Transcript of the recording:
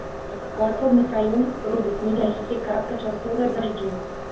У асобных раёнах пройдуць невялікія кароткачасовыя дажджы.